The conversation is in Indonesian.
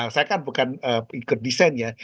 saya kan bukan ikut desain ya